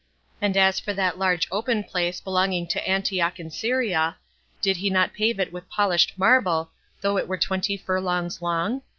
And as for that large open place belonging to Antioch in Syria, did not he pave it with polished marble, though it were twenty furlongs long?